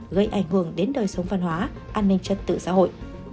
gây ảnh hưởng đến đời sống văn hóa an ninh trật tự xã hội